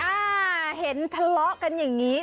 อ่าเห็นทะเลาะกันอย่างนี้